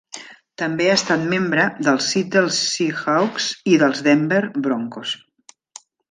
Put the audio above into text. També ha estat membre dels Seattle Seahawks i dels Denver Broncos.